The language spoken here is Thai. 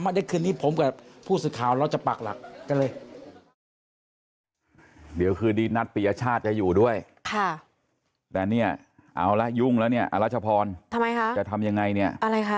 เดี๋ยวคืนนี้ผมกับผู้สื่อข่าวเราจะปากหลักกันเลย